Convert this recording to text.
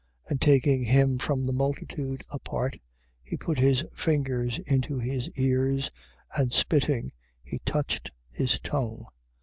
7:33. And taking him from the multitude apart, he put his fingers into his ears: and spitting, he touched his tongue.